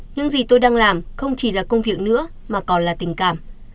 những gì tôi đang làm không chỉ là công việc nữa mà còn là tình cảm